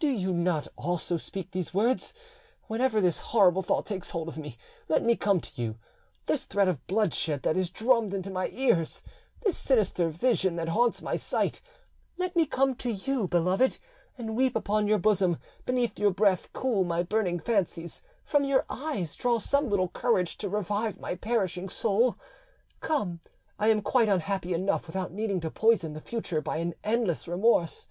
do not you also speak these words; whenever this horrible thought takes hold of me, let me come to you: this threat of bloodshed that is drummed into my ears, this sinister vision that haunts my sight; let me come to you, beloved, and weep upon your bosom, beneath your breath cool my burning fancies, from your eyes draw some little courage to revive my perishing soul. Come, I am quite unhappy enough without needing to poison the future by an endless remorse.